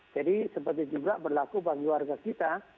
jadi seperti juga berlaku bagi warga kita